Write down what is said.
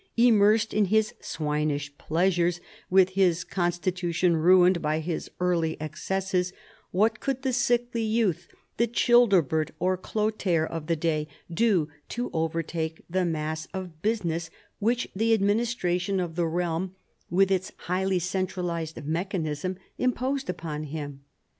Immersed in his swinish pleasures, with his constitution ruined by his early excesses, what could the sickly youth, the Childebert or Chlothair of the day, do to overtake the mass of business which the administration of the realm, with its highly centralized mechanism, imposed upon him